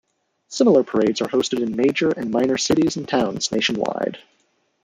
Similar parades are hosted in major and minor cities and towns nationwide.